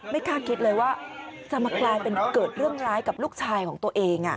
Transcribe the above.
คาดคิดเลยว่าจะมากลายเป็นเกิดเรื่องร้ายกับลูกชายของตัวเอง